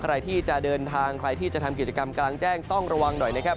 ใครที่จะเดินทางใครที่จะทำกิจกรรมกลางแจ้งต้องระวังหน่อยนะครับ